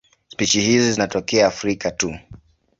Spishi hizi zinatokea Afrika tu.